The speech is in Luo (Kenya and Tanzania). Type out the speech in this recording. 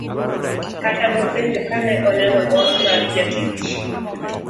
Kata nopenjo kane oneno mor mar jatich.